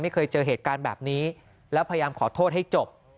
ไม่เคยเจอเหตุการณ์แบบนี้แล้วพยายามขอโทษให้จบ